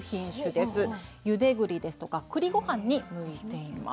ゆでぐりですとかくりご飯に向いています。